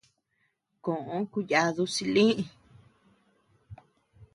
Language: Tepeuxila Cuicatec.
Koʼö kuyadu silï.